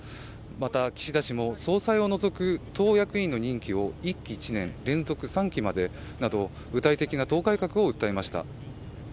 また、岸田氏も総裁を除く党役員の任期を１期１年、連続３期までなど具体的な党改革を訴えました。